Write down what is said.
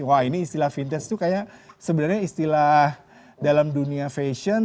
wah ini istilah vintage itu kayak sebenarnya istilah dalam dunia fashion